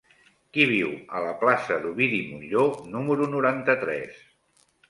Qui viu a la plaça d'Ovidi Montllor número noranta-tres?